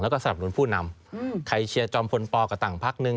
แล้วก็สนับสนุนผู้นำใครเชียร์จอมพลปกับต่างพักนึง